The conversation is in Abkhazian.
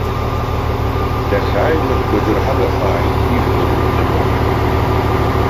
Дахьааиуа дгәазырҳагахааит ижәлар рзыҳәа!